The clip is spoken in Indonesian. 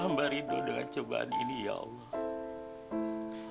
ambarido dengan cebahan ini ya allah